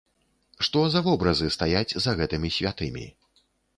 Што за вобразы стаяць за гэтымі святымі?